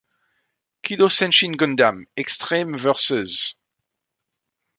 Kidō Senshi Gundam: Extreme Vs.